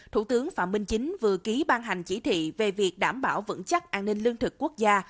thủ tướng phạm minh chính vừa ký ban hành chỉ thị về việc đảm bảo vững chắc an ninh lương thực quốc gia